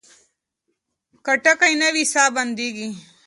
که ټکی نه وي ساه بندېږي.